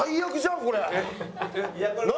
これ！